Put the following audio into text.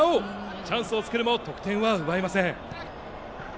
チャンスを作るも得点は奪えません。